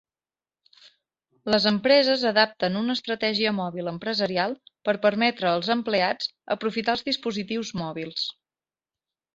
Les empreses adapten una estratègia mòbil empresarial per permetre als empleats aprofitar els dispositius mòbils.